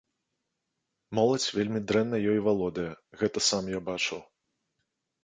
Моладзь вельмі дрэнна ёй валодае, гэта сам я бачыў.